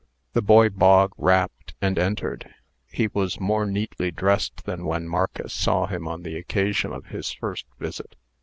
The boy Bog rapped, and entered. He was more neatly dressed than when Marcus saw him on the occasion of his first visit.